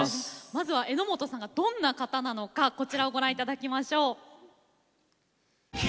まずは榎本さんがどんな方なのかこちらをご覧いただきましょう。